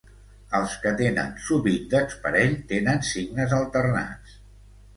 Els que tenen subíndex parell tenen signes alternats.